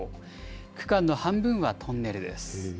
区間の半分はトンネルです。